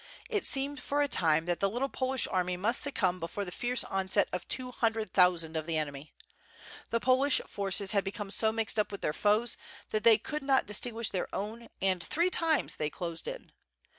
It seemed for a time that the little Polish army must succumb before the fierce onset of two hundred thousand of the enemy. The Polish forces had be come so mixed up with their foes that they could not dis tinguish their own and three times they closed in.